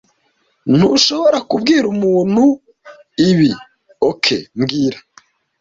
Ntushobora kubwira umuntu ibi, OK mbwira